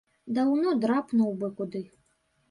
Даўно драпнуў бы куды.